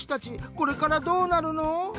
これからどうなるの？」。